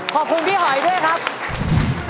ขอบคุณพี่หอยด้วยครับ